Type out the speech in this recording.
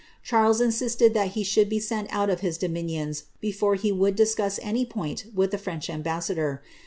Charles insisted that he should be sent out of his dominions before he would discuss any point with the French ambassador.